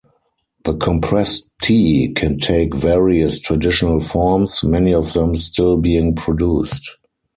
The compressed tea can take various traditional forms, many of them still being produced.